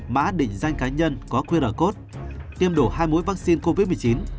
mã định danh cá nhân có qr code tiêm đổ hai mũi vaccine covid một mươi chín